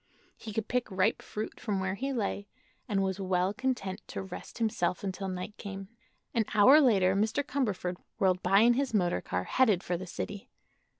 He could pick ripe fruit from where he lay, and was well content to rest himself until night came. An hour later Mr. Cumberford whirled by in his motor car, headed for the city.